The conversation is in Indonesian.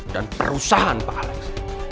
dan perusahaan pak alex